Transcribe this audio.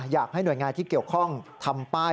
อยากให้หน่วยงานที่เกี่ยวข้องทำป้าย